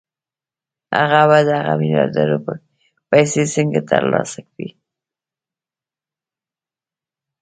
هغه به دغه ميلياردونه پيسې څنګه ترلاسه کړي؟